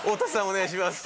お願いします。